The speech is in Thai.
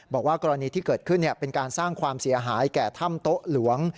บอกว่ากรณีที่เกิดขึ้นเป็นการสร้างความเสียหายแก่ถ้ำโต๊ะหลวง